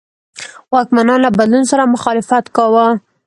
واکمنان له بدلون سره مخالفت کاوه.